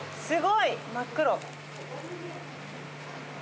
すごい！真っ黒。